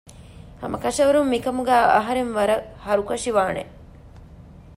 ހަމަކަށަވަރުން މިކަމުގައި އަހުރެން ވަރަށް ހަރުކަށިވާނެ